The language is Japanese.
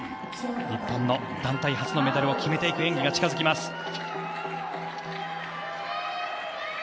日本の団体初のメダルを決めていく演技が近付きます。